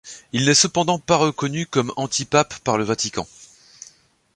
Il n'est cependant pas reconnu comme antipape par le Vatican.